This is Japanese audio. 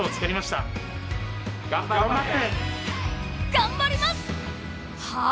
頑張ります！